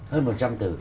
hơn một trăm linh từ